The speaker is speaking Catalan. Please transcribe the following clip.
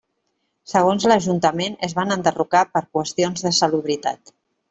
Segons l'Ajuntament es van enderrocar per qüestions de salubritat.